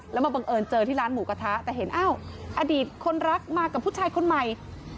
แล้วมาบังเอิญเจอที่ร้านหมูกระทะแต่เห็นอ้าวอดีตคนรักมากับผู้ชายคนใหม่